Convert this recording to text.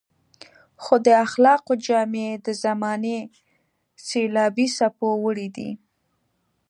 خو د اخلاقو جامې يې د زمانې سېلابي څپو وړي دي.